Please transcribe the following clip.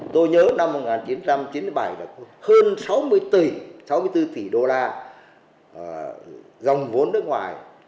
tôi nhớ năm một nghìn chín trăm chín mươi bảy là có hơn sáu mươi tỷ sáu mươi bốn tỷ đô la dòng vốn nước ngoài